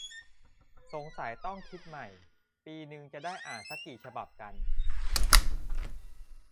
สงสัยต้องคิดใหม่ ปีนึงจะได้อ่านซักกี่ฉบับกัน ?